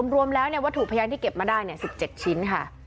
รวมแล้ววัตถุพยานที่เก็บมาได้๑๗ชิ้นค่ะ